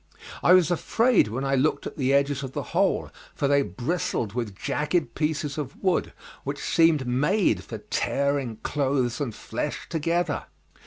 I was afraid when I looked at the edges of the hole, for they bristled with jagged pieces of wood which seemed made for tearing clothes and flesh together.